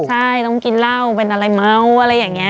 ใช่ต้องกินเหล้าเป็นอะไรเมาอะไรอย่างนี้